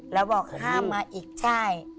แล้วบอกห้ามมาอีกใช่